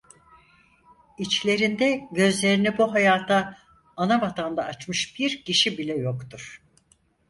İçlerinde gözlerini bu hayata anavatanda açmış bir kişi bile yoktur…